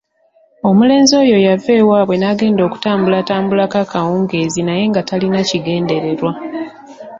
Omulenzi oyo yava ewaabwe n'agenda okutambulatambulako akawungeezi naye nga talina kigendererwa.